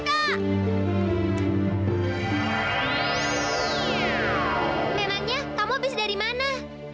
bintangnya kamu habis dari mana